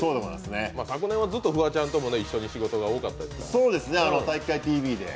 昨年はずっとフワちゃんとも一緒に仕事が多かったですね。